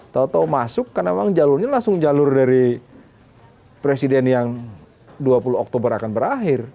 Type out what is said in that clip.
tau tau masuk karena memang jalurnya langsung jalur dari presiden yang dua puluh oktober akan berakhir